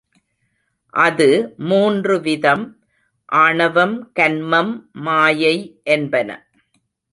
அது மூன்று விதம் ஆணவம், கன்மம், மாயை என்பன.